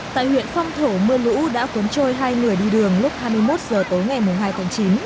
tại huyện phong thổ mưa lũ đã cuốn trôi hai người đi đường lúc hai mươi một h tối ngày hai tháng chín